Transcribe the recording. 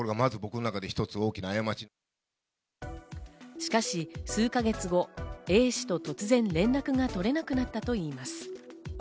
しかし数か月後、Ａ氏と突然連絡が取れなくなったといいます。